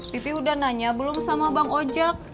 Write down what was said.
pipi udah nanya belum sama bang ojak